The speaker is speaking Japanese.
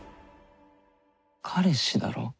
彼氏だろ。